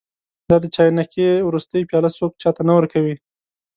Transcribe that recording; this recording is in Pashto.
دا د چاینکې وروستۍ پیاله څوک چا ته نه ورکوي.